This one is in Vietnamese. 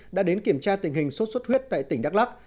đã đến kiểm tra tình hình sốt xuất huyết tại tỉnh đắk lắc